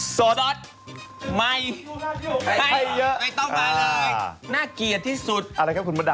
โซดอทใหม่ให้เยอะไม่ต้องมาเลยน่าเกลียดที่สุดอะไรครับคุณมดดำ